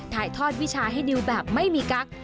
ถ่ายทอดวิชาให้ดิวแบบไม่มีกั๊ก